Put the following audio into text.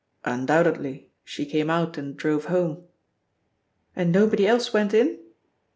"Undoubtedly; she came out and drove home." "And nobody else went in?"